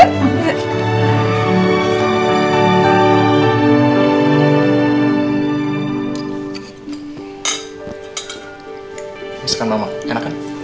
masukkan masakan mama enak kan